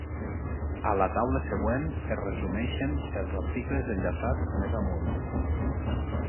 A la taula següent es resumeixen els articles enllaçats més amunt.